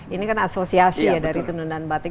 ini kan asosiasi ya dari tenun dan batik